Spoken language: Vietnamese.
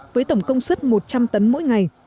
với tổng công suất một trăm linh tấn mỗi ngày